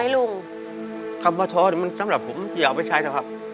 ลุงคำว่าท้อมันสำหรับผมอย่าเอาไปใช้นะครับ